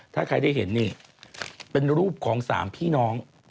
ถ้าใครได้เห็นนี่เป็นรูปของสามพี่น้อง